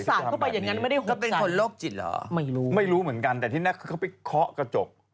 ก็สาดเข้าไปอย่างงั้นไม่ได้หกสันไม่รู้เหมือนกันแต่ที่นั้นเขาไปเคาะกระจก